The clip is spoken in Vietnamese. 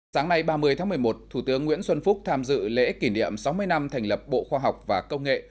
sáng nay ba mươi tháng một mươi một thủ tướng nguyễn xuân phúc tham dự lễ kỷ niệm sáu mươi năm thành lập bộ khoa học và công nghệ